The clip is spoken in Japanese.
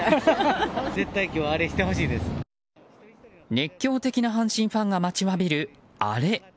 熱狂的な阪神ファンが待ちわびるアレ。